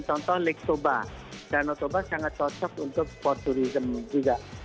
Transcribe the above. contoh lake toba dan toba sangat cocok untuk sporturism juga